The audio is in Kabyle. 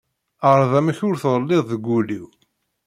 Ɛreḍ amek ur tɣelliḍ deg ul-iw.